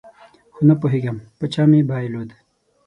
خو نپوهېږم په چا مې بایلود